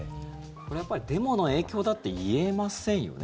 これはやっぱりデモの影響だって言えませんよね